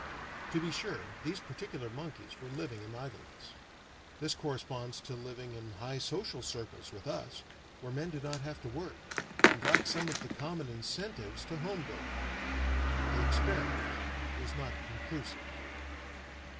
To be sure, these particular monkeys were living in idleness. This corresponds to living in high social circles with us, where men do not have to work, and lack some of the common incentives to home building. The experiment was not conclusive.